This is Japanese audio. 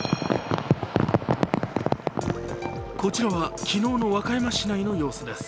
こちらは昨日の和歌山市内の様子です。